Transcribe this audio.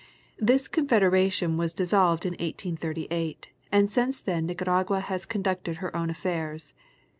This confederation was dissolved in 1838, and since then Nicaragua has conducted her own affairs.